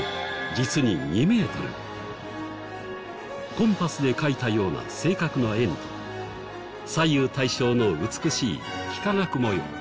コンパスで書いたような正確な円と左右対称の美しい幾何学模様。